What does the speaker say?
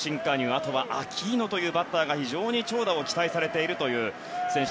あとはアキーノというバッターが非常に長打を期待されているという選手。